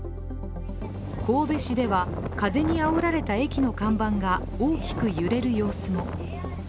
神戸市では風にあおられた駅の看板が大きく揺れる様子も。